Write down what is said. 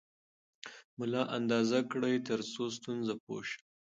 ملا اندازه کړئ ترڅو ستونزه پوه شئ.